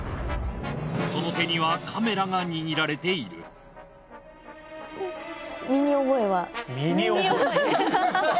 その手にはカメラが握られている身に覚え。